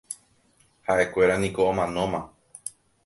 Haʼekuéra niko omanóma.